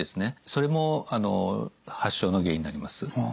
それも発症の原因になります。